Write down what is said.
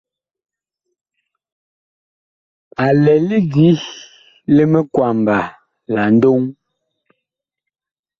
A lɛ lidi li mikwamba la ndoŋ.